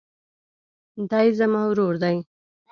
دی زما ورور دئ.